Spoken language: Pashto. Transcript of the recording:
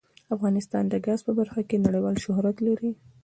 افغانستان د ګاز په برخه کې نړیوال شهرت لري.